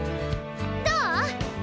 どう？